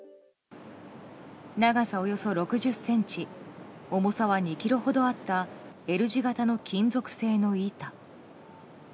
長さ、およそ６０ｃｍ重さは２ｋｇほどあったＬ字形の金属製の板。